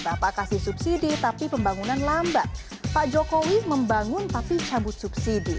bapak kasih subsidi tapi pembangunan lambat pak jokowi membangun tapi cabut subsidi